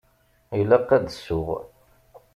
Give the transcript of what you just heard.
Ilaq ad d-ssuɣ.